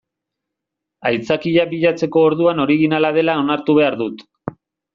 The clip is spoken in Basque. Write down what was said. Aitzakiak bilatzeko orduan originala dela onartu behar dut.